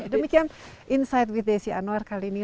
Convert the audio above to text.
demikian insight with desi anwar kali ini